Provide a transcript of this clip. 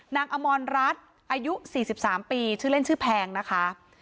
อมรรัฐอายุ๔๓ปีชื่อเล่นชื่อแพงนะคะ